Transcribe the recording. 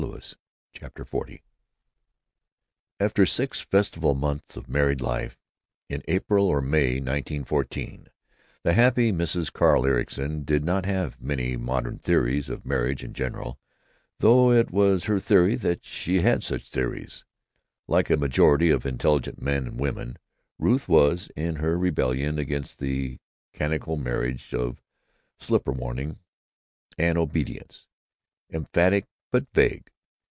CHAPTER XL fter six festival months of married life—in April or May, 1914—the happy Mrs. Carl Ericson did not have many "modern theories of marriage in general," though it was her theory that she had such theories. Like a majority of intelligent men and women, Ruth was, in her rebellion against the canonical marriage of slipper warming and obedience, emphatic but vague.